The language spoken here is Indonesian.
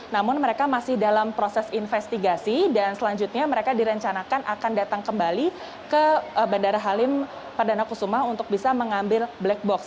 namun mereka masih dalam proses investigasi dan selanjutnya mereka direncanakan akan datang kembali ke bandara halim perdana kusuma untuk bisa mengambil black box